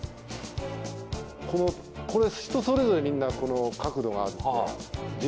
これ人それぞれみんなこの角度があるので。